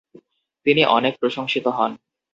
তিনি অনেক প্রশংসিত হন।